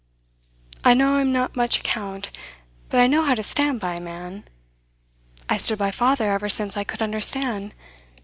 I know I'm not much account; but I know how to stand by a man. I stood by father ever since I could understand.